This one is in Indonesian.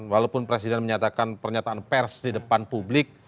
walaupun presiden menyatakan pernyataan pers di depan publik